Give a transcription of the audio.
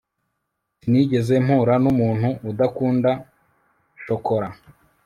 sinigeze mpura numuntu udakunda shokora